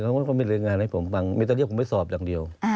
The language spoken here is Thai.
เพราะว่าเขาไม่ได้รายงานให้ผมฟังมีแต่เรียกผมไปสอบอย่างเดียว